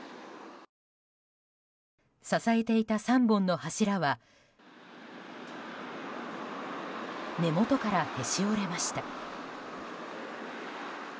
支えていた３本の柱は根元からへし折れました。